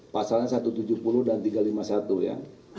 pasalnya satu ratus tujuh puluh dan tiga ratus lima puluh satu ya